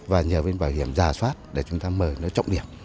và nhờ bên bảo hiểm giả soát để chúng ta mời nó trọng điểm